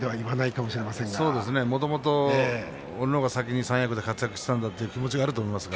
もともと俺の方が先に三役で活躍していたんだという気持ちもあるかもしれません。